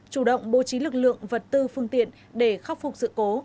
chủ động bố trí lực lượng vật tư phương tiện để khắc phục sự cố